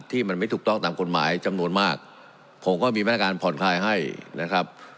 ที่มันไม่ถูกต้องตามกฎหมายจำนวนมากผมก็มีมาตรการผ่อนคลายให้นะครับ